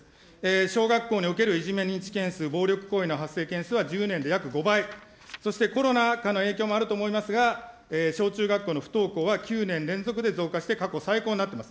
小学校におけるいじめ件数、、発生件数は１０年で約５倍、そしてコロナ禍の影響もあると思いますが、小中学校の不登校は９年連続で増加して過去最高になっています。